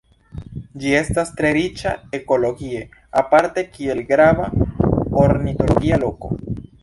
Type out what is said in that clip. Ĝi estas tre riĉa ekologie aparte kiel grava ornitologia loko.